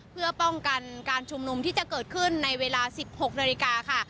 เพื่อป้องกันการชุมนุมที่จะเกิดขึ้นในเวลา๑๖นาฬิกาค่ะ